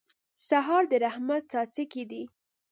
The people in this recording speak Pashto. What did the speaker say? سهار د رحمت څاڅکي دي.